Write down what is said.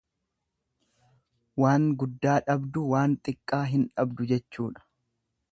Waan guddaa dhabdu waan xiqqaa hin dhabdu jechuudha.